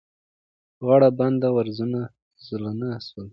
غاړه بنده وزرونه زولانه سوه